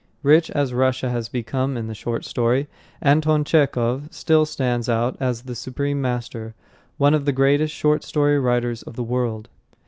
Rich as Russia has become in the short story, Anton Chekhov still stands out as the supreme master, one of the greatest short story writers of the world.